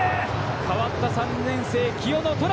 代わった３年生、清野仁